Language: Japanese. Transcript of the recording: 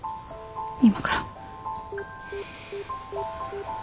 今から。